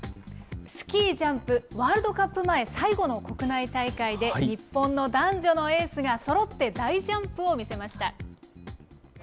スキージャンプ、ワールドカップ前最後の国内大会で、日本の男女のエースがそろって大ジャンプを見せました。